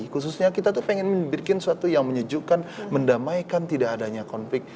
khususnya kita tuh pengen membuat suatu yang menyejukkan mendamaikan tidak adanya konflik